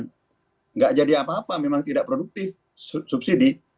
tidak jadi apa apa memang tidak produktif subsidi